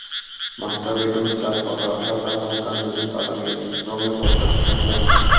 Master বেডরুমে চাঁপা সাদা, হালকা নীল, বাদামি, ধূসর রঙের পর্দা প্রশান্তি আনবে।